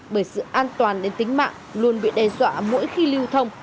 bởi sự an toàn đến tính mạng luôn bị đe dọa mỗi khi lưu thông